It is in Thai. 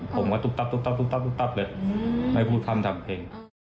ผมก็ตุ๊บตับเลยไม่พูดคำถามเพลง